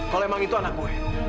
kalau emang itu anak gue